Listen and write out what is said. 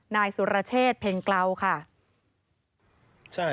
นายสุรเชษเพ็งเกลาค่ะ